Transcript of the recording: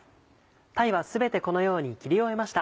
鯛は全てこのように切り終えました。